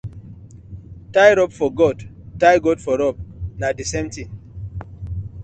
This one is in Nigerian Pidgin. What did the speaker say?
Tie rope for goat, tie goat for rope, na the same thing.